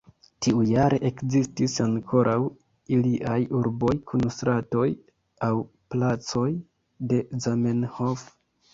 Tiujare ekzistis ankoraŭ aliaj urboj kun stratoj aŭ placoj de Zamenhof.